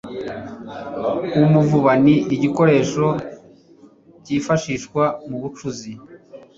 umuvuba ni igikoresho kifashishwa mubucuzi